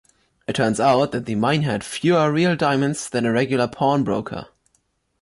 It turns out that the mine had fewer real diamonds than a regular pawnbroker.